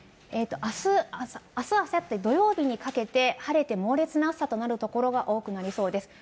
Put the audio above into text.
あす、あさって、土曜日にかけて晴れて猛烈な暑さとなる所がありそうです。